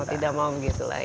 kalau tidak mau gitu lah